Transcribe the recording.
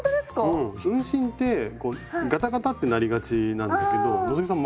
うん運針ってガタガタってなりがちなんだけど希さん